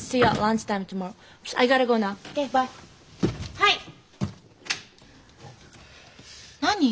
はい。何？